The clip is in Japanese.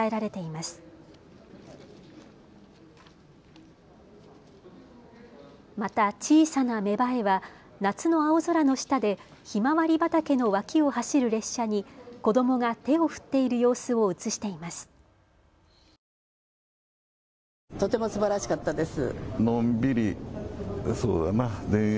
また小さな芽生えは夏の青空の下でひまわり畑の脇を走る列車に子どもが手を振っている様子を写しています。